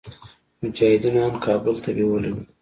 مجاهدينو ان کابل ته بيولي وو.